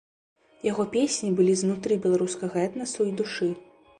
Яго песні былі знутры беларускага этнасу і душы.